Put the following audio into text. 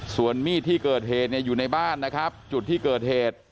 ส่วนมีดที่เกิดเหตุเนี่ยอยู่ในบ้านนะครับจุดที่เกิดเหตุ